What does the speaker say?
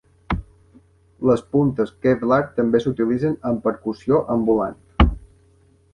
Les puntes kevlar també s'utilitzen en percussió ambulant.